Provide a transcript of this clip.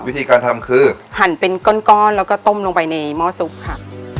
วิธีการทำคือหั่นเป็นก้อนแล้วก็ต้มลงไปในหม้อซุปค่ะ